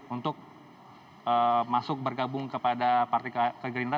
untuk masuk bergabung ke gerindra